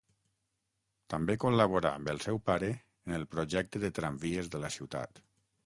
També col·laborà amb el seu pare en el projecte de tramvies de la ciutat.